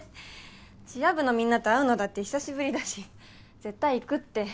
チア部のみんなと会うのだって久しぶりだし絶対行くって。